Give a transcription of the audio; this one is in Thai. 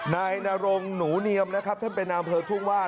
นายนรงหนูเนียมนะครับท่านเป็นอำเภอทุ่งว่า